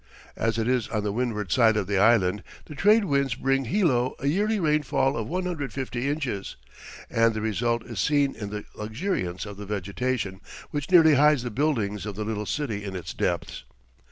As it is on the windward side of the island, the trade winds bring Hilo a yearly rainfall of 150 inches, and the result is seen in the luxuriance of the vegetation, which nearly hides the buildings of the little city in its depths.